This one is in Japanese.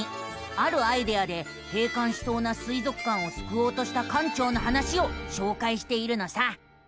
あるアイデアで閉館しそうな水族館をすくおうとした館長の話をしょうかいしているのさ。